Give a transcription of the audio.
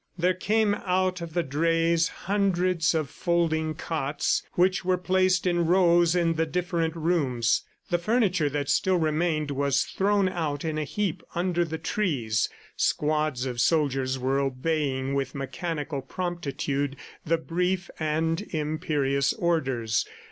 There came out of the drays hundreds of folding cots, which were placed in rows in the different rooms. The furniture that still remained was thrown out in a heap under the trees. Squads of soldiers were obeying with mechanical promptitude the brief and imperious orders.